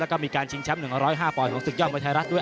แล้วก็มีการชิงแชมป์๑๐๕ปอนดของศึกยอดมวยไทยรัฐด้วย